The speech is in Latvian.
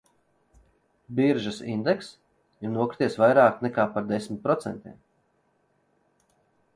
Biržas indekss ir nokrities vairāk nekā par desmit procentiem.